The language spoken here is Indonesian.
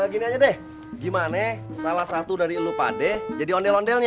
gini aja deh gimana salah satu dari elupadeh jadi ondel ondelnya